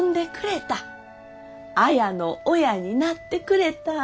綾の親になってくれた。